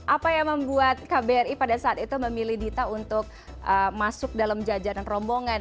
apa yang membuat kbri pada saat itu memilih dita untuk masuk dalam jajaran rombongan